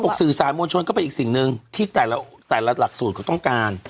สื่อสารมวลชนก็เป็นอีกสิ่งหนึ่งที่แต่ละหลักสูตรเขาต้องการ